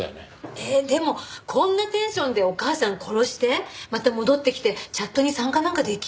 えっでもこんなテンションでお母さん殺してまた戻ってきてチャットに参加なんかできる？